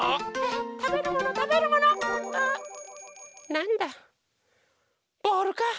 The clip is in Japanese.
なんだボールか！